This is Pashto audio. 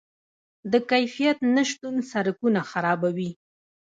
د کیفیت نشتون سرکونه خرابوي.